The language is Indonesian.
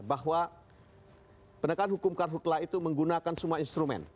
bahwa penegakan hukum karhutlah itu menggunakan semua instrumen